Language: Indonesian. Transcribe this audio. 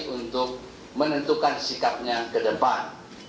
untuk menentukan sikapnya ke depan